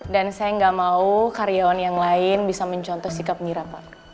dan saya enggak mau karyawan yang lain bisa mencontoh sikap mira pak